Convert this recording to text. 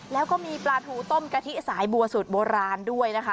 แล้วก็มีปลาทูต้มกะทิสายบัวสูตรโบราณด้วยนะคะ